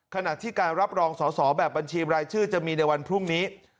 ขณะที่การรับรองสอสอแบบบัญชีรายชื่อจะมีในวันพรุ่งนี้